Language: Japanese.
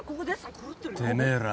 てめえら。